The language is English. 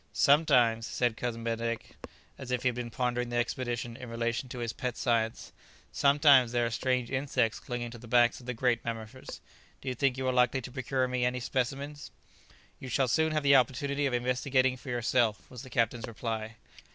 "Sometimes," said Cousin Benedict, as if he had been pondering the expedition in relation to his pet science, "sometimes there are strange insects clinging to the backs of these great mammifers; do you think you are likely to procure me any specimens?" "You shall soon have the opportunity of investigating for yourself," was the captain's reply.